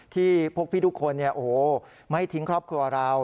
ที่พวกพี่ทุกคนไม่ทิ้งครอบครัวเรา